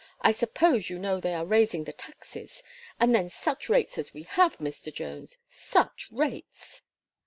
I suppose you know they are raising the taxes and then such rates as we have, Mr. Jones such rates!"